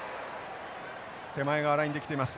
手前側ラインできています。